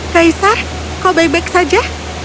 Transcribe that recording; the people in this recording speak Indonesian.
kaisar kau baik baik saja